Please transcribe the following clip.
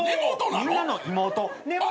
「みんなの妹根元」